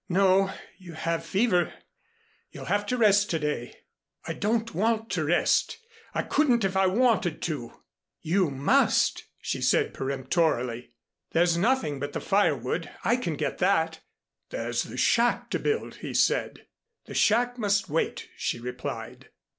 "No, you have fever. You'll have to rest to day." "I don't want to rest. I couldn't if I wanted to." "You must!" she said peremptorily. "There's nothing but the firewood. I can get that." "There's the shack to build," he said. "The shack must wait," she replied.